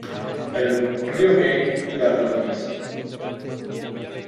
El río Gave la atraviesa.